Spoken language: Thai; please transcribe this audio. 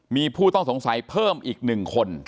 มีผู้ต้องสงสัยเพิ่มอีก๑คน